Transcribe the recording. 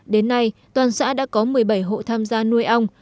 đến nay toàn xã đã có một mươi bảy hộ tham gia nuôi ong